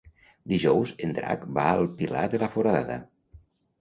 Dijous en Drac va al Pilar de la Foradada.